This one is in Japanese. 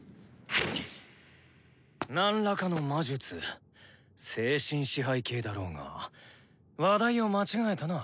何らかの魔術精神支配系だろうが話題を間違えたな。